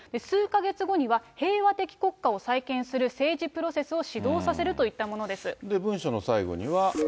数か月後には平和的国家を再建する政治プロセスを始動させるとい文書の最後には。